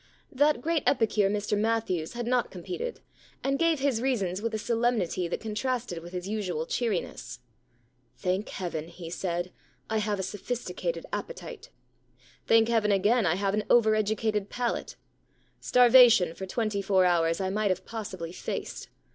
That great epicure, Mr Matthews, had not competed, and gave his reasons with a solemnity that contrasted with his usual cheeriness. * Thank Heaven,' he said, * I have a sophisticated appetite ! Thank Heaven again I have an over educated palate 1 Starvation for twenty four hours I might have possibly faced.